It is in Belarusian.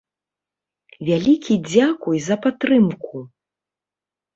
Вялікі дзякуй за падтрымку!